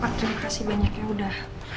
pak terima kasih banyaknya udah